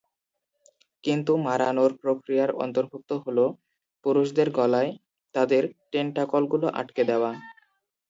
কিন্তু, "মাড়ানোর" প্রক্রিয়ার অন্তর্ভুক্ত হল, পুরুষদের গলায় তাদের টেন্টাকলগুলো আটকে দেওয়া।